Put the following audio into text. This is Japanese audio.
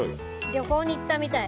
旅行に行ったみたい。